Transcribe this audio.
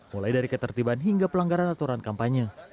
mulai dari ketertiban hingga pelanggaran aturan kampanye